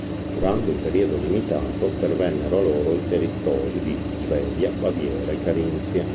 Durante un periodo limitato, pervennero a loro i territori di Svevia, Baviera e Carinzia.